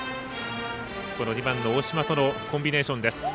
この２番の大島とのコンビネーションです。